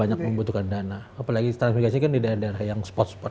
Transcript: apalagi transifikasi kan di daerah daerah yang spot spot